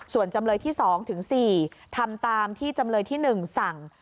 ส่วนจำเลยที่สองถึงสี่ทำตามที่จำเลยที่หนึ่งสั่ง